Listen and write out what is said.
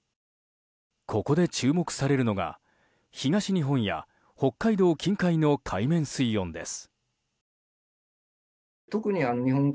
ここで注目されるのが東日本や北海道近海の海面水温です。